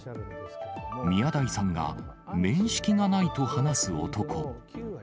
宮台さんが面識がないと話す男。